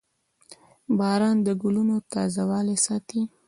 • باران د ګلونو تازهوالی ساتي.